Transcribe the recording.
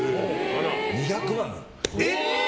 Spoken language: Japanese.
２００万。